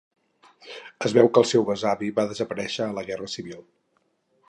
Es veu que el seu besavi va desaparèixer a la guerra civil.